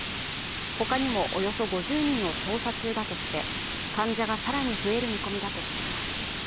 他にもおよそ５０人を調査中だとして患者が更に増える見込みだとしています。